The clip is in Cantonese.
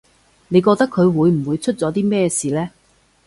你覺得佢會唔會出咗啲咩事呢